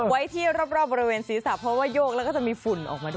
ไว้ที่รอบบริเวณศีรษะเพราะว่าโยกแล้วก็จะมีฝุ่นออกมาด้วย